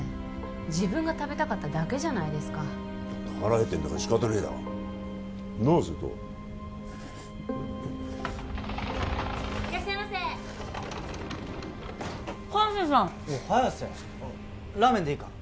自分が食べたかっただけじゃないですかだって腹減ってんだから仕方ねえだろなあ瀬戸いらっしゃいませ早瀬さんおっ早瀬ラーメンでいいか？